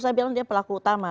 saya bilang dia pelaku utama